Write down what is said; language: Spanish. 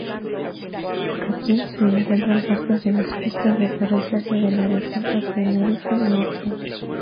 Aquí se encuentran parte de las pistas de aterrizaje del Aeropuerto Tenerife Norte.